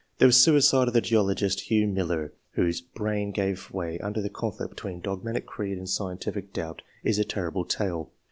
The suicide of the geologist, Hugh Miller, whose brain gave way under the conflict between dogmatic creed and scientific doubt, is a terrible tale.